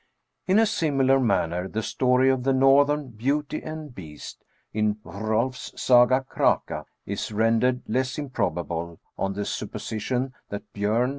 In a similar manner the story of the northern ''Beauty and Beast," in Hrolfs Saga Kraka, is ren dered less improbable, on the supposition that Bjom THE SCANDINAVIAN WERE WOLF.